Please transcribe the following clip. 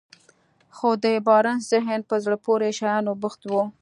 خو د بارنس ذهن په زړه پورې شيانو بوخت و.